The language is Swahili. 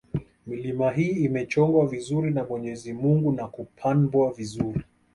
Milima hii imechongwa vizuri na mwenyezi Mungu na kupanbwa vizuri